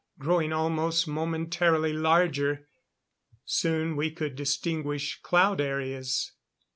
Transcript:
Growing almost momentarily larger. Soon we could distinguish cloud areas.